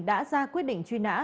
đã ra quyết định truy nã